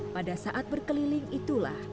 pada saat berkeliling itulah